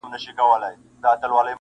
ما چي پېچومي د پامیر ستایلې-